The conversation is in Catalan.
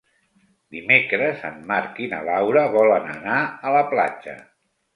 Dimecres en Marc i na Laura volen anar a la platja.